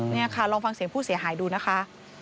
นี่ค่ะลองฟังเสียงผู้เสียหายดูนะคะ